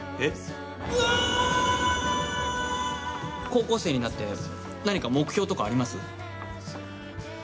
高校生になって何か目標とかあります？